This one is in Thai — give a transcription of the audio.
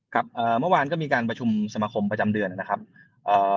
เอ่อเมื่อวานก็มีการประชุมสมาคมประจำเดือนนะครับเอ่อ